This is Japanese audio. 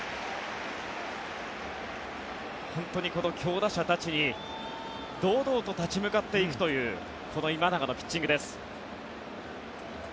本当にこの強打者たちに堂々と立ち向かっていくというこの今永のピッチングです。